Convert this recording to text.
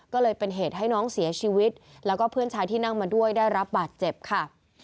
ก็เลยเป็นเหตุให้น้องเสียชีวิตแล้วก็เพื่อนชายที่นั่งมาด้วยได้รับบาดเจ็บค่ะ